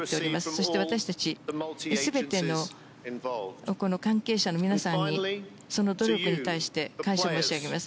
そして私たち全てのこの関係者の皆さんにその努力に対して感謝申し上げます。